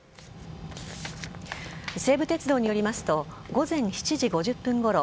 西武鉄道によりますと午前７時５０分ごろ